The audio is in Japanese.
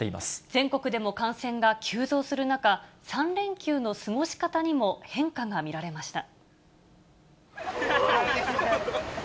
全国でも感染が急増する中、３連休の過ごし方にも変化が見られました。